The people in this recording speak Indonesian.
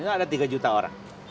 nggak ada tiga juta orang